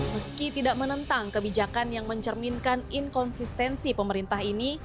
meski tidak menentang kebijakan yang mencerminkan inkonsistensi pemerintah ini